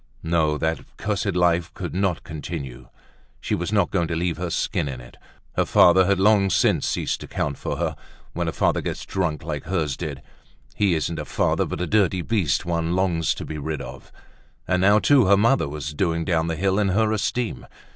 No, that cursed life could not continue; she was not going to leave her skin in it. Her father had long since ceased to count for her; when a father gets drunk like hers did, he isn't a father, but a dirty beast one longs to be rid of. And now, too, her mother was doing down the hill in her esteem.